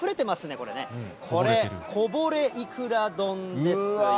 これ、こぼれいくら丼ですよ。